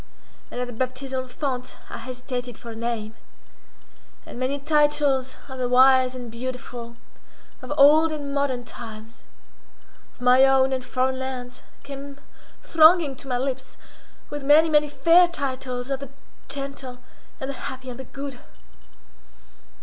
And at the baptismal font I hesitated for a name. And many titles of the wise and beautiful, of old and modern times, of my own and foreign lands, came thronging to my lips, with many, many fair titles of the gentle, and the happy, and the good.